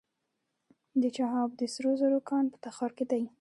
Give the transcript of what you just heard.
د چاه اب د سرو زرو کان په تخار کې دی